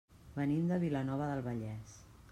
Venim de Vilanova del Vallès.